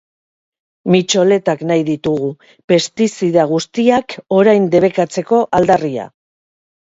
Mitxoletak nahi ditugu, pestizida guztiak orain debekatzeko aldarria.